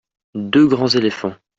deux grands éléphants.